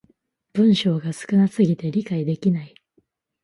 文章が少な過ぎて理解できない